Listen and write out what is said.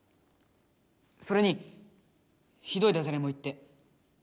それにひどいダジャレも言って。